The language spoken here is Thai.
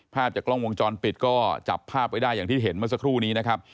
ภาพจากกล้องวงจรปิดก็จับภาพไว้ได้อย่างที่เห็นเมื่อสักครู่นี้นะครับ